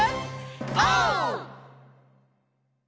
オー！